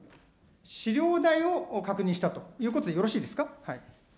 資料代を確認したということでよろしいですか。